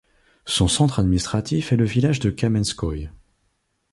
Son centre administratif est le village de Kamenskoïe.